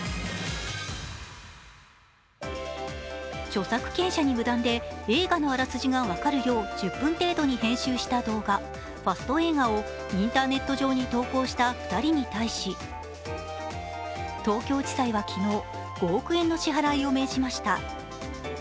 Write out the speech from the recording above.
著作権者に無断で映画のあらすじが分かるよう１０分程度に編集した動画、ファスト映画をインターネット上に投稿した２人に対し、東京地裁は昨日、５億円の支払いを命じました。